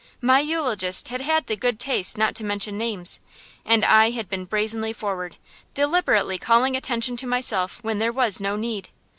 My eulogist had had the good taste not to mention names, and I had been brazenly forward, deliberately calling attention to myself when there was no need.